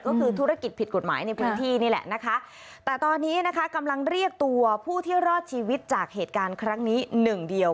ก็คือธุรกิจผิดกฎหมายในพื้นที่นี่แหละนะคะแต่ตอนนี้นะคะกำลังเรียกตัวผู้ที่รอดชีวิตจากเหตุการณ์ครั้งนี้หนึ่งเดียว